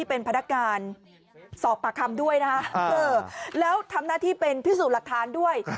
เออมาก็ไม่แต่มาคนเดียว